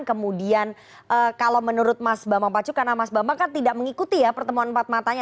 kemudian kalau menurut mas bambang pacu karena mas bambang kan tidak mengikuti ya pertemuan empat matanya